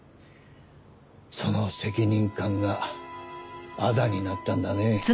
その責任感があだになったんだね。